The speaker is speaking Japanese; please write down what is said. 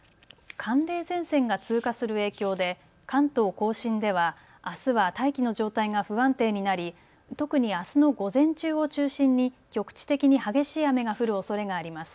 寒冷前線が通過する影響で関東甲信ではあすは大気の状態が不安定になり特にあすの午前中を中心に局地的に激しい雨が降るおそれがあります。